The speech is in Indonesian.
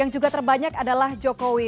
juga terbanyak adalah jokowi